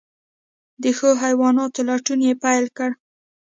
د ښو حیواناتو لټون یې پیل کړ.